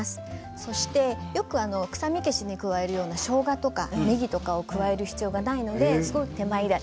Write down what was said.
そしてよく臭み消しに加えるようなしょうがやねぎとかを、加える必要がないのですごく手間いらず。